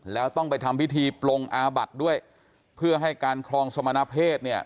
แล้วต้องไปทำพิธีปลงอาบัติด้วยเพื่อให้การครองสมณเพศเนี่ย